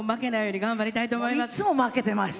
いつも負けてました